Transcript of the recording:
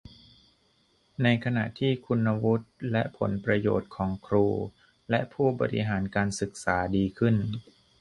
ในขณะที่คุณวุฒิและผลประโยชน์ของครูและผู้บริหารการศึกษาดีขึ้น